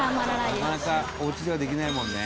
なかなかおうちではできないもんね」